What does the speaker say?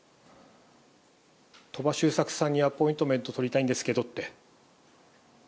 鳥羽周作さんにアポイントメント取りたいんですけどって。